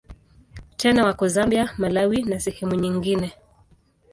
Tena wako Zambia, Malawi na sehemu nyingine.